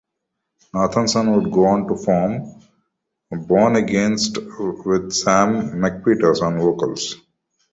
Nathanson would go on to form Born Against with Sam McPheeters on vocals.